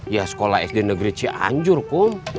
ya sekolah sd negeri cianjur pun